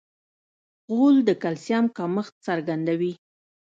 غول د کلسیم کمښت څرګندوي.